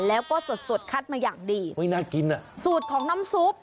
แล้วก็สดคัดมาอย่างดีสูตรของน้ำซุป